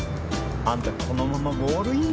あんたこのままゴールインだよ！